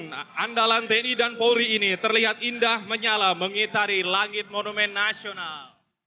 peterjun andalan danny dan pauli ini terlihat indah menyala mengitari langit monumen nasional